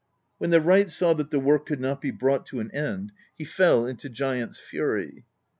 When the wright saw that the work could not be brought to an end, he fell into giant's fury.